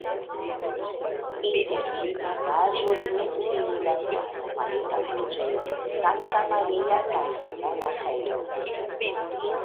Inter vidindaĵoj menciindas la romanika preĝejo de Sankta Maria kaj la monaĥejo.